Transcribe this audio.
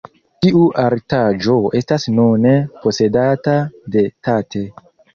Tiu artaĵo estas nune posedata de Tate.